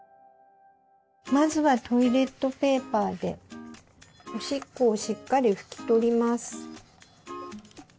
まずはトイレットペーパーでおしっこをしっかり拭き取ります。